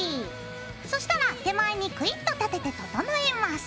そしたら手前にクイッと立てて整えます。